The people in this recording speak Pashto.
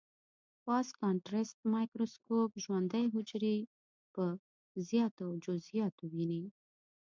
فاز کانټرسټ مایکروسکوپ ژوندۍ حجرې په زیاتو جزئیاتو ويني.